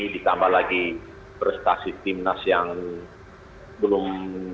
ditambah lagi prestasi timnas yang belum